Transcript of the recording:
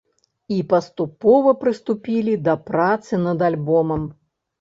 І паступова прыступілі да працы над альбомам.